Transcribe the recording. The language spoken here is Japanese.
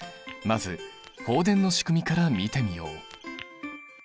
まず放電のしくみから見てみよう。